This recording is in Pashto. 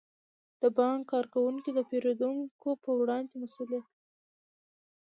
د بانک کارکوونکي د پیرودونکو په وړاندې مسئولیت لري.